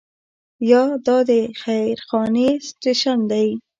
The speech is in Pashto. یا دا د خیر خانې سټیشن دی.